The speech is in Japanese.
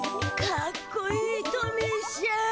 かっこいいトミーしゃん。